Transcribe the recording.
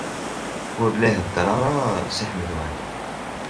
Ur la iheddeṛ ara Si Ḥmed Waɛli.